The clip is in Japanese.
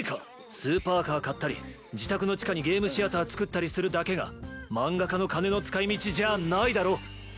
スーパーカー買ったり自宅の地下にゲームシアター作ったりするだけが漫画家の金の使い道じゃあないだろ？